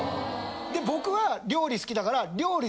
僕は料理好きだから。